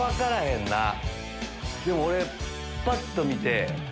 でも俺ぱっと見て。